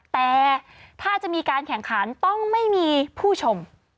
แต่ถ้าจะมีการแข่งขันต้องไม่มีผู้ชม